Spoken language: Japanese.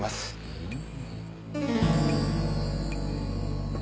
うん。